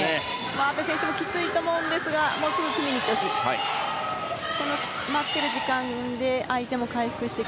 阿部選手もきついと思うんですがすぐ組みにいってほしい。